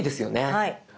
はい。